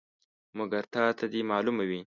مګر تا ته دې معلومه وي.